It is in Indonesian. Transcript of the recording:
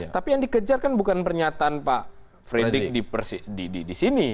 tapi yang dikejar kan bukan pernyataan pak fredrik di sini